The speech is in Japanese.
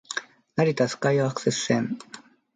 成田スカイアクセス線